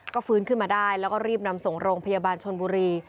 ก็ฟื้นขึ้นมาได้แล้วก็รีบนำส่งโรงพยาบาลชนบุรี